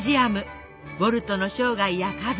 ウォルトの生涯や家族